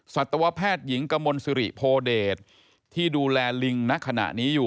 สัตวแพทย์หญิงกมลสิริโพเดชที่ดูแลลิงณขณะนี้อยู่